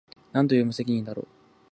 何という無責任だろう